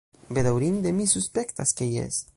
Bedaŭrinde, mi suspektas ke jes.